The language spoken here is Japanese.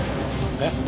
えっ？